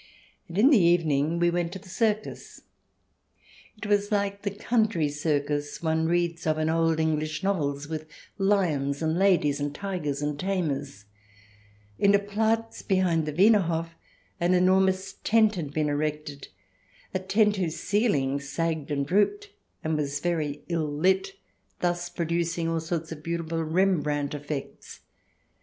And in the evening we went to the circus. It was like the country circus one reads of in old English novels, with lions and ladies and tigers and tamers. In a Platz, behind the Wiener Hof, an enormous tent had been erected — a tent i68 THE DESIRABLE ALIEN [ch. xii whose ceiling sagged and drooped and was very ill lit, thus producing all sorts of beautiful Rembrandt effects.